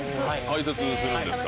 解説するんですか？